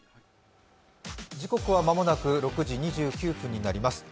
時刻は間もなく６時２９分になります。